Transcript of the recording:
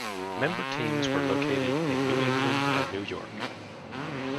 Member teams were located in New England and New York.